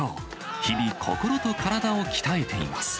日々、心と体を鍛えています。